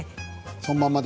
そのままで？